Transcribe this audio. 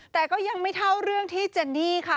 แต่ก็ยังไม่เท่าเรื่องที่เจนนี่ค่ะ